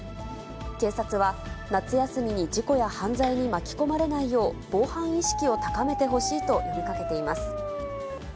警察は、夏休みに事故や犯罪に巻き込まれないよう、防犯意識を高めてほしいと呼びかけています。